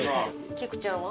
菊ちゃんは？